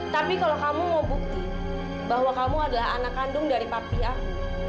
tapi kalau kamu mau bukti bahwa kamu adalah anak kandung dari papi aku